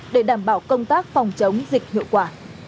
để đảm bảo công tác phòng chống dịch hiệu quả